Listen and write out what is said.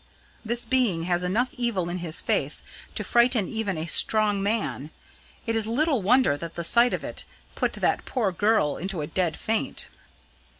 This being has enough evil in his face to frighten even a strong man. It is little wonder that the sight of it put that poor girl into a dead faint!"